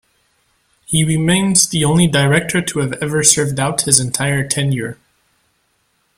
He remains the only Director to have ever served out his entire tenure.